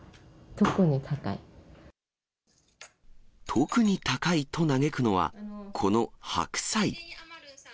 特に高いと嘆くのは、この白菜。